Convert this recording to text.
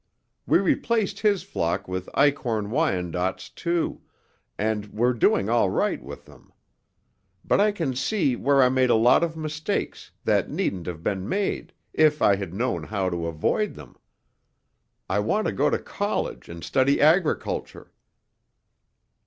We replaced his flock with Eichorn Wyandottes, too, and we're doing all right with them. But I can see where I made a lot of mistakes that needn't have been made if I had known how to avoid them. I want to go to college and study agriculture."